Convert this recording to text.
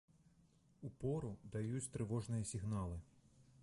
Упору даюць трывожныя сігналы.